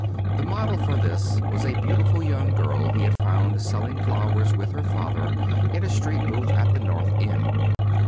The model for this was a beautiful young girl he had found selling flowers with her father in a street booth at the North End.